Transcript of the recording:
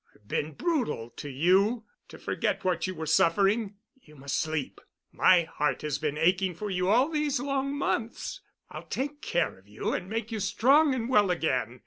I've been brutal to you—to forget what you were suffering. You must sleep. My heart has been aching for you all these long months. I'll take care of you and make you strong and well again.